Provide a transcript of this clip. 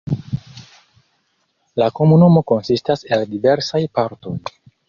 La komunumo konsistas el diversaj partoj.